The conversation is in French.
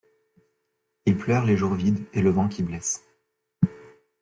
Il pleure les jours vides et le vent qui blesse.